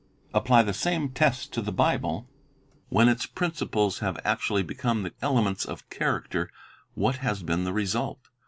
Apply the same test to the Bible: when its principles have actually, become the elements of character, what has been the result?